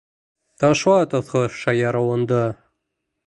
Ташла тоҙһоҙ шаярыуыңды!